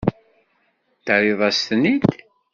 Terriḍ-as-ten-id.